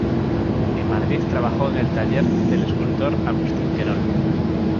En Madrid trabajó en el taller del escultor Agustín Querol.